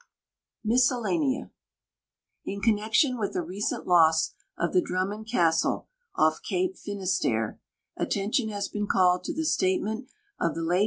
MISCELLANEA In connection with the recent loss of the Unimnwnd OikIIi' oil cape Finisterre, attention has been called to tin* statement of the lati?